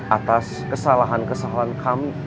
atas kesalahan kesalahan kami